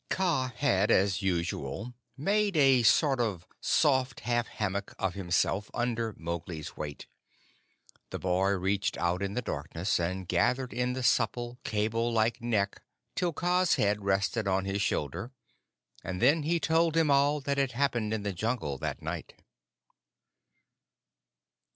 Kaa had, as usual, made a sort of soft, half hammock of himself under Mowgli's weight. The boy reached out in the darkness, and gathered in the supple cable like neck till Kaa's head rested on his shoulder, and then he told him all that had happened in the Jungle that night.